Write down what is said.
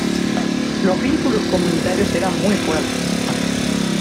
Los vínculos comunitarios eran muy fuertes.